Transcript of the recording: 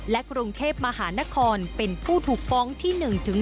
กรุงเทพมหานครเป็นผู้ถูกฟ้องที่๑๒